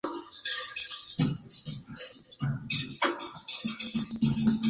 Por lo general, se disponen diferentes inclinaciones para cada diámetro de husillo.